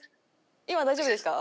今大丈夫ですか？